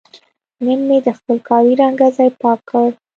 نن مې د خپل کالي رنګه ځای پاک کړ.